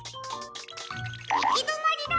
いきどまりだ！